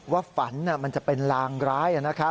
ฝันมันจะเป็นลางร้าย